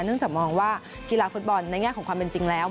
จากมองว่ากีฬาฟุตบอลในแง่ของความเป็นจริงแล้ว